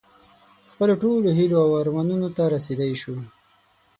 خپلو ټولو هیلو او ارمانونو ته رسېدی شو.